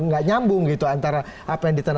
iya nggak nyambung gitu antara apa yang ditentukan